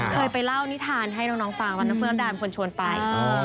เคยไปเล่านิทานให้น้องฟังว่าน้องฟื้นรักดาลควรชวนไป